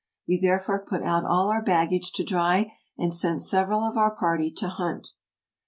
We therefore put out all our baggage to dry, and sent sev eral of our party to hunt.